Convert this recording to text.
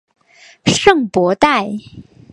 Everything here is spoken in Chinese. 圣博代。